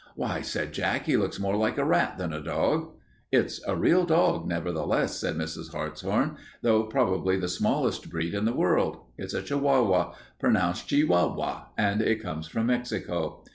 "Why," said Jack, "he looks more like a rat than a dog." "It's a real dog, nevertheless," said Mrs. Hartshorn, "though probably the smallest breed in the world. It's a Chihuahua, pronounced Che wa wa, and it comes from Mexico.